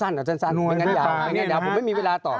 ร่างงานยาวแล้วผมก็ยังไม่มีเวลาตอบ